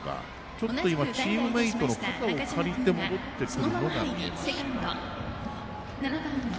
ちょっと、チームメートの肩を借りて戻ってくるのが見えました。